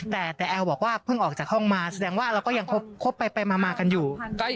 แต่แอลบอกว่าเพิ่งออกจากห้องมาแสดงว่าเราก็ยังคบไปมากันอยู่